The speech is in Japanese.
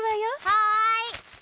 はい！